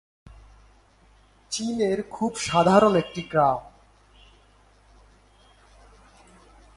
চীনের খুব সাধারণ একটি গ্রাম।